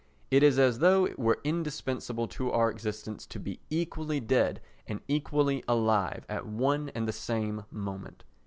It is as though it were indispensable to our existence to be equally dead and equally alive at one and the same moment.